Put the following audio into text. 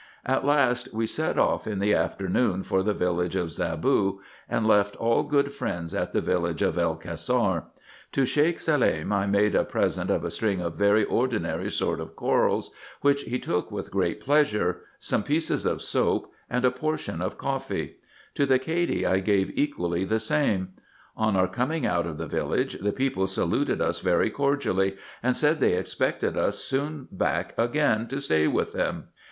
At last, we set off in the afternoon for the village of Zaboo, and left all good friends at the village of El Cassar. To Sheik Salem I made a present of a string of very ordinary sort of corals, which he took with great pleasure, some pieces of soap, and a portion of coffee ; to the Cady I gave equally the same. On our coming out of the village, the people saluted us very cordially, and said they expected us soon back again to stay with them.